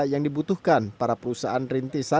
yang dibutuhkan para perusahaan rintisan atau startup dan ukm